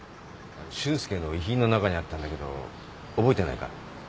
俊介の遺品の中にあったんだけど覚えてないか？